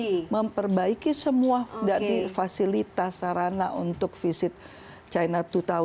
dia sudah memperbaiki semua fasilitas sarana untuk visit china dua ribu dua puluh